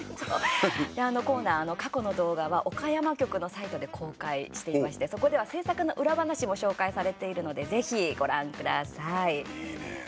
で、あのコーナー過去の動画は岡山局のサイトで公開していまして、そこでは制作の裏話も紹介されているのでいいねえ。